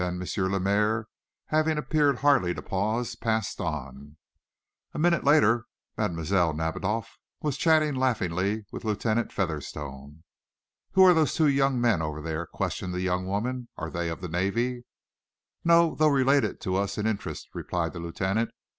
Lemaire, having appeared hardly to pause, passed on. A minute later Mademoiselle Nadiboff was chatting laughingly with Lieutenant Featherstone. "Who are those two young men over there?" questioned the young woman. "Are they of the Navy?" "No, though related to us in interest," replied the lieutenant.